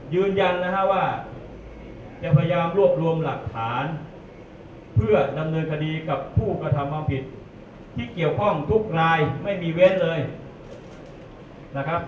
ยืนยันนะฮะว่าจะพยายามรวบรวมหลักฐานเพื่อดำเนินคดีกับผู้กระทำความผิดที่เกี่ยวข้องทุกรายไม่มีเว้นเลยนะครับ